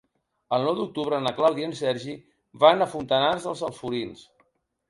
El nou d'octubre na Clàudia i en Sergi van a Fontanars dels Alforins.